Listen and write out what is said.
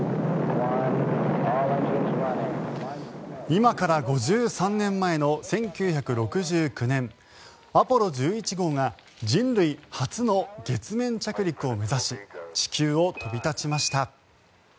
今から５３年前の１９６９年アポロ１１号が人類初の月面着陸を目指し地球を飛び立ちました。